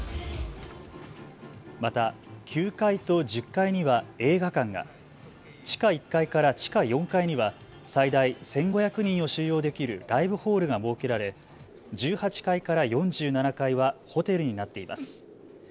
また９階と１０階には映画館が、地下１階から地下４階には最大１５００人を収容できるライブホールが設けられ１８階から４７階はホテルになっています。